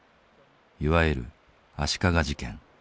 いわゆる足利事件。